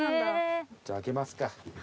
じゃあ開けますか。